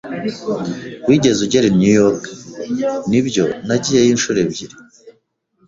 "Wigeze ugera i New York?" "Nibyo, nagiyeyo inshuro ebyiri."